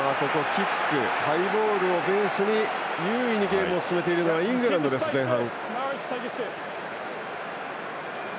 キック、ハイボールをベースに優位にゲームを進めているのはイングランドです、前半。